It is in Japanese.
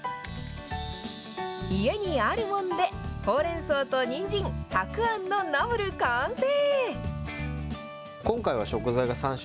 家にアルモンデほうれんそうとにんじん、たくあんのナムル完成！